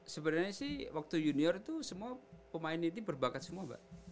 sebenarnya sih waktu junior itu semua pemain ini berbakat semua mbak